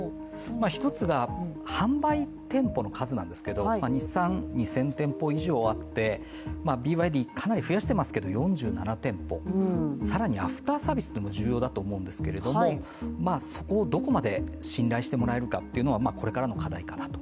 一つが販売店舗の数なんですけど日産、２０００店舗以上あって、ＢＹＤ、かなり増やしていますが、４７店舗、更にアフターサービスも重要だと思うんですけどそこをどこまで信頼してもらえるかというのはこれからの課題かなと。